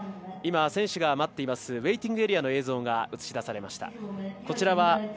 選手が待っていますウェイティングエリアの映像が映し出されました。